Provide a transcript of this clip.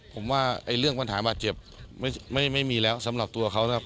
ผมว่าเรื่องปัญหาบาดเจ็บไม่มีแล้วสำหรับตัวเขานะครับ